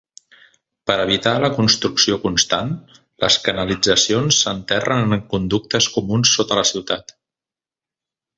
Per evitar la construcció constant, les canalitzacions s'enterren en conductes comuns sota la ciutat.